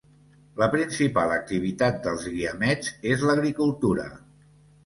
La principal activitat dels Guiamets és l'agricultura.